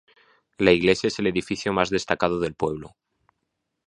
La iglesia es el edificio más destacado del pueblo.